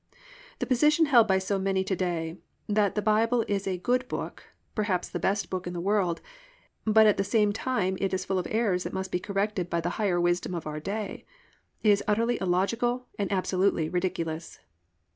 The position held by so many to day, that the Bible is a good book, perhaps the best book in the world, but at the same time it is full of errors that must be corrected by the higher wisdom of our day, is utterly illogical and absolutely ridiculous.